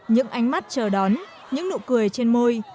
những ánh mắt chờ đón những nụ cười trên môi